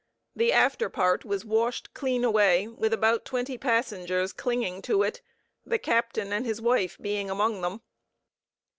The after part was washed clean away with about twenty passengers clinging to it, the captain and his wife being among them.